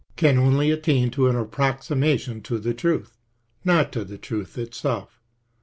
toricjJ can only attain to an approximation to the truth, not to the truth itself.